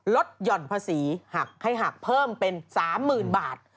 หย่อนภาษีให้หักเพิ่มเป็น๓๐๐๐บาท